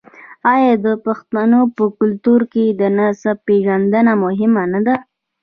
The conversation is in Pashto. آیا د پښتنو په کلتور کې د نسب پیژندنه مهمه نه ده؟